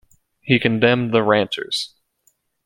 He condemned the Ranters.